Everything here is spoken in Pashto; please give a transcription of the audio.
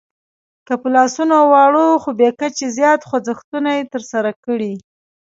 که په لاسونو واړه خو بې کچې زیات خوځښتونه ترسره کړئ